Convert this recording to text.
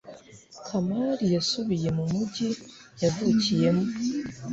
kamari yasubiye mu mujyi yavukiyemo